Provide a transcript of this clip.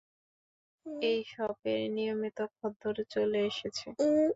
এই শপের নিয়মিত খদ্দের চলে এসেছে!